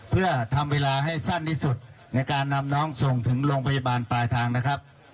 เพื่อทำเวลาให้สั้นที่สุดในการนำน้องส่งถึงโรงพยาบาลปลายทางนะครับ